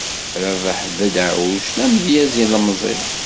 Rabaḥ Bedaɛuc, d amedyaz ilemẓi.